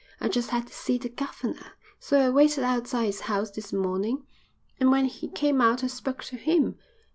I just had to see the governor, so I waited outside his house this morning, and when he come out I spoke to him.